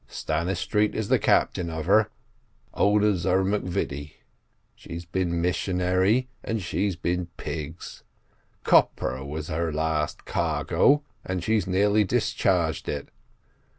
Stannistreet is captain of her, owners are M'Vitie. She's been missionary, and she's been pigs; copra was her last cargo, and she's nearly discharged it.